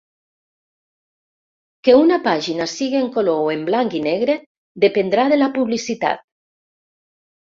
Que una pàgina sigui en color o en blanc i negre dependrà de la publicitat.